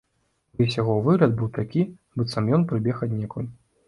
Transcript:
Увесь яго выгляд быў такі, быццам ён прыбег аднекуль.